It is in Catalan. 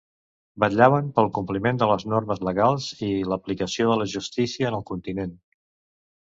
Vetllaven pel compliment de les normes legals i l'aplicació de la justícia en el continent.